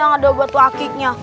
gak ada batu akiknya